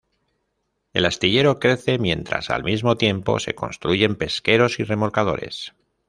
El astillero crece mientras al mismo tiempo se construyen pesqueros y remolcadores.